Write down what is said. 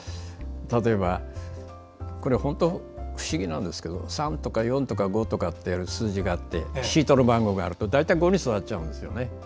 例えば、不思議なんですけど３とか４とか５とかって数字があってシートの番号があると５に座っちゃうんですね。